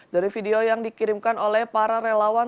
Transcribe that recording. dari video yang dikirimkan oleh para relawan